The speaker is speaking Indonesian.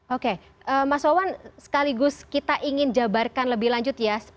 oke mas wawan sekaligus kita ingin jabarkan lebih lanjut ya